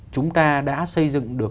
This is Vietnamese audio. chúng ta đã xây dựng được